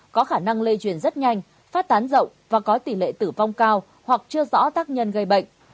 có khả năng lây truyền rất nhanh phát tán rộng và có tỷ lệ tử vong cao hoặc chưa rõ tác nhân gây bệnh